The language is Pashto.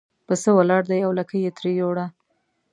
پسه ولاړ دی او لکۍ یې ترې یووړه.